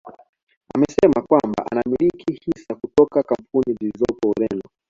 Amesema kwamba anamiliki hisa kutoka kampuni zilizopo Ureno